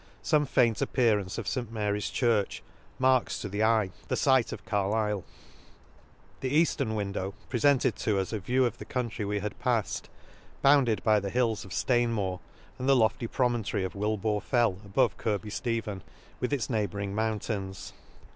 — Some faint ap pearance of St Mary's church, marks to the eye the fcite of Carlifle —The eaftern window prefented to us & view of the country we had palled, bounded by the hills of Stainmore, and the lofty promontary of Wilbore fell above Kirby Stephen, with its neighbouring mountains.